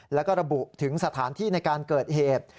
แล้วก็ระบุถึงสถานที่ในการเกิดเหตุ